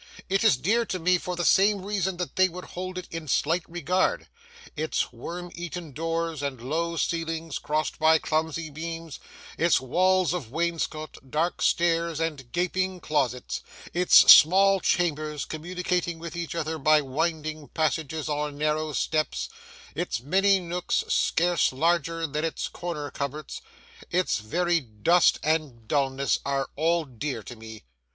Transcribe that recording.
It is dear to me for the same reason that they would hold it in slight regard. Its worm eaten doors, and low ceilings crossed by clumsy beams; its walls of wainscot, dark stairs, and gaping closets; its small chambers, communicating with each other by winding passages or narrow steps; its many nooks, scarce larger than its corner cupboards; its very dust and dulness, are all dear to me.